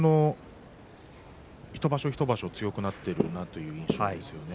一場所一場所強くなっているなという印象ですね。